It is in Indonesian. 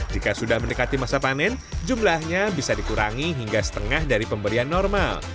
jika sudah mendekati masa panen jumlahnya bisa dikurangi hingga setengah dari pemberian normal